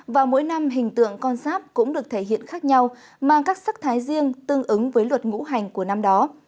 và mỗi năm hình tượng con sáp cũng được thể hiện khác nhau mang các sắc thái riêng tương ứng với luật ngũ hành của năm đó